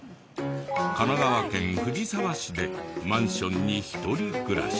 神奈川県藤沢市でマンションに一人暮らし。